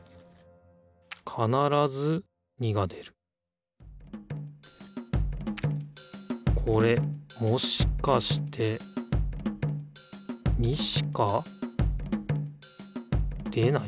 かならず２が出るこれもしかして２しか出ない？